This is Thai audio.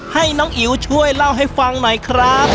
ให้น้องอิ๋วช่วยเล่าให้ฟังหน่อยครับ